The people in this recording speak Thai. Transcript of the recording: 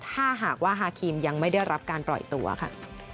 ถ้าหากว่าฮาครีมยังไม่ได้รับการปล่อยตัวค่ะ